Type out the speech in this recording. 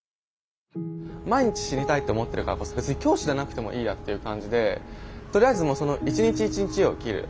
毎日死にたいって思ってるからこそ別に今日死ななくてもいいやっていう感じでとりあえず１日１日を生きる。